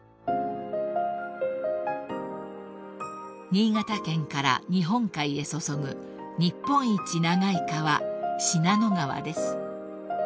［新潟県から日本海へ注ぐ日本一長い川信濃川です］